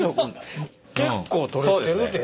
結構取れてるで。